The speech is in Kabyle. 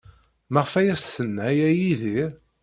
Maɣef ay as-tenna aya i Yidir?